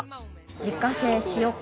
自家製塩麹。